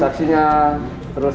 sekarang sudah mék colleagues